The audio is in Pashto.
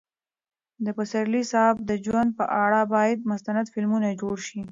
د پسرلي صاحب د ژوند په اړه باید مستند فلمونه جوړ شي.